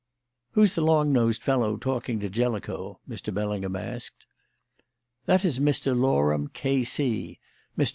"Who's the long nosed fellow talking to Jellicoe?" Mr. Bellingham asked. "That is Mr. Loram, K.C., Mr.